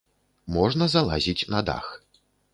Можна залазіць на дах.